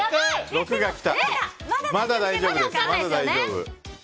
まだ大丈夫です。